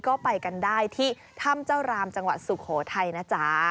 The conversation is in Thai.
ก็ไปกันได้ที่ถ้ำเจ้ารามจังหวัดสุโขทัยนะจ๊ะ